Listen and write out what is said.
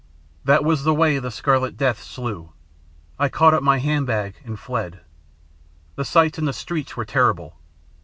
"That was the way the Scarlet Death slew. I caught up my handbag and fled. The sights in the streets were terrible.